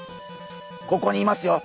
ここにいますよ。